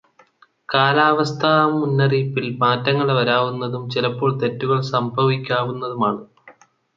കാലാവസ്ഥാമുന്നറിയിപ്പിൽ മാറ്റങ്ങൾ വരാവുന്നതും ചിലപ്പോൾ തെറ്റുകൾ സംഭവിക്കാവുന്നതുമാണ്.